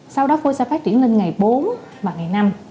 sau đó phôi sẽ phát triển lên ngày bốn và ngày năm